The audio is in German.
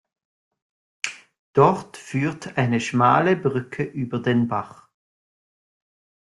Dort führt eine schmale Brücke über den Bach.